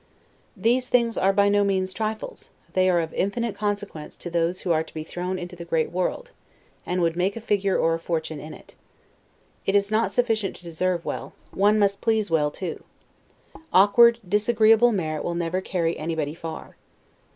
These things are by no means trifles: they are of infinite consequence to those who are to be thrown into the great world, and who would make a figure or a fortune in it. It is not sufficient to deserve well; one must please well too. Awkward, disagreeable merit will never carry anybody far.